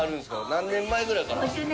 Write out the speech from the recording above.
何年前ぐらいから？